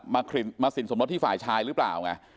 มาสินสมรสที่ฝ่ายชายหรือเปล่าไง